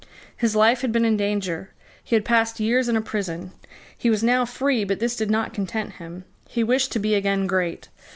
His life had been in danger. He had passed years in a prison. He was now free: but this did not content him: he wished to be again great.